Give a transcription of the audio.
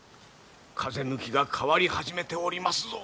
風向きが変わり始めておりますぞ。